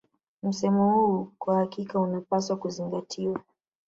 Msemo huu kwa hakika unapaswa kuzingatiwa